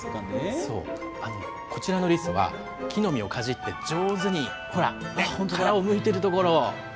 そう、こちらのリスは、木の実をかじって上手に、ほら、ね、殻をむいてるところ。